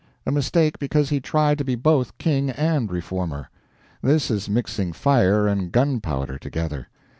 A mistake because he tried to be both king and reformer. This is mixing fire and gunpowder together.